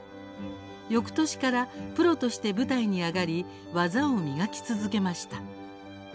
よくとしからプロとして舞台に上がり、技を磨き続けました。